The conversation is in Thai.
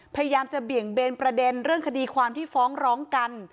พยายามจะเบี่ยงเบนประเด็นเรื่องคดีความที่ฟ้องร้องกัน